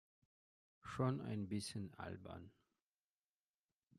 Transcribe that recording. Schon ein bisschen albern.